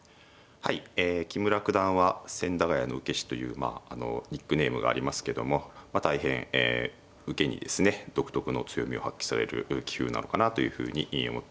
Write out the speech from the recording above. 木村九段は千駄ヶ谷の受け師というニックネームがありますけどもまあ大変受けにですね独特の強みを発揮される棋風なのかなというふうに思っています。